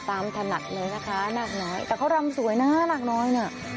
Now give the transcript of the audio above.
ถนัดเลยนะคะนาคน้อยแต่เขารำสวยนะนาคน้อยน่ะ